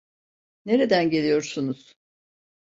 Nereden geliyorsunuz?